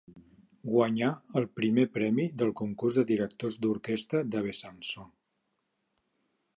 Guanyà el primer premi del Concurs de Directors d'Orquestra de Besançon.